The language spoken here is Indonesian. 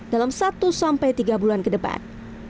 dalam satu sampai tiga bulan ke depan